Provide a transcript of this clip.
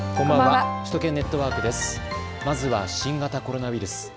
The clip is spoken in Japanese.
まずは新型コロナウイルス。